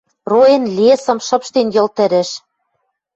Роэн лесӹм, шыпштен Йыл тӹрӹш.